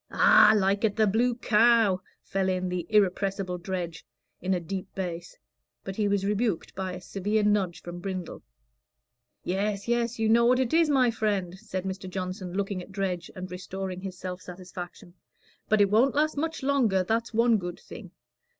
"Aw, like at the Blue Cow," fell in the irrepressible Dredge, in a deep bass; but he was rebuked by a severe nudge from Brindle. "Yes, yes, you know what it is, my friend," said Mr. Johnson, looking at Dredge, and restoring his self satisfaction. "But it won't last much longer, that's one good thing.